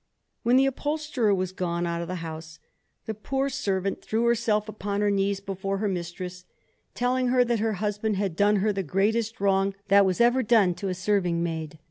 When the upholsterer was gone out of the house, the poor servant threw herself upon her knees before her mistress, telling her that her husband had done her the greatest wrong that was ever done to a serving maid.